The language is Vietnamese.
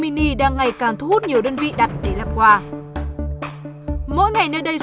mình nhập cả thùng bán thì mấy thùng một đấy chứ này ạ